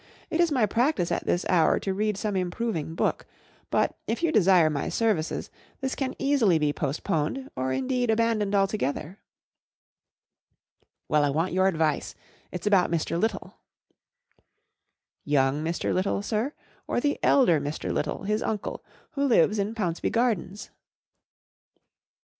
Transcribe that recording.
It is my practice at this hour to read some improving book; but, if you desire my services, this can easily be post¬ poned, or, indeed, abandoned altogether.' 1 " Well, I want your advice, it's about Mr* Little." 11 Young Mr. Little, sir p or the elder Mr. Little, his uncle, who lives in Pounceby Gardens